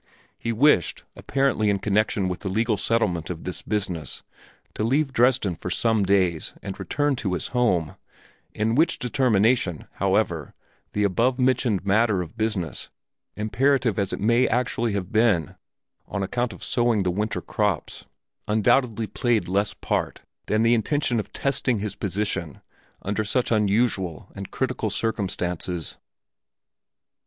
He wished, apparently in connection with the legal settlement of this business, to leave Dresden for some days and return to his home, in which determination, however, the above mentioned matter of business, imperative as it may actually have been on account of sowing the winter crops, undoubtedly played less part than the intention of testing his position under such unusual and critical circumstances.